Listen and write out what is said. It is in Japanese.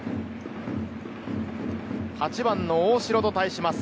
８番の大城と対します。